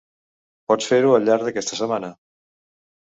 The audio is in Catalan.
Pots fer-ho al llarg d'aquesta setmana.